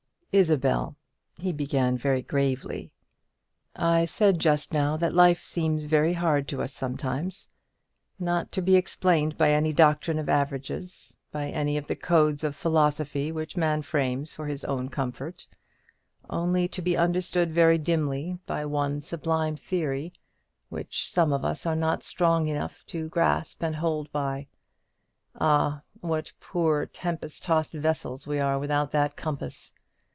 "Isabel," he began, very gravely, "I said just now that life seems very hard to us sometimes, not to be explained by any doctrine of averages, by any of the codes of philosophy which man frames for his own comfort; only to be understood very dimly by one sublime theory, which some of us are not strong mough to grasp and hold by. Ah, what poor tempest tossed vessels we are without that compass!